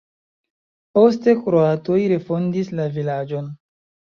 Poste kroatoj refondis la vilaĝon.